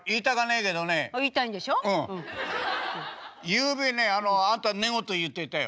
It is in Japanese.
ゆうべねあんた寝言言ってたよ。